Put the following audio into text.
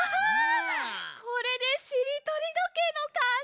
これでしりとりどけいのかんせいだわ。